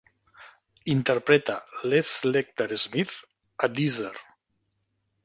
Interpreta Les Lecter Smith a Deezer.